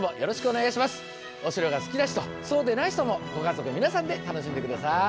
お城が好きな人そうでない人もご家族皆さんで楽しんで下さい。